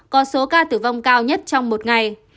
có số ca tử vong cao nhất trong một ngày